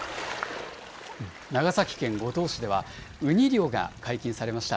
長崎県五島市では、ウニ漁が解禁されました。